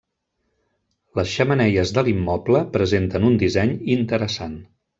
Les xemeneies de l'immoble presenten un disseny interessant.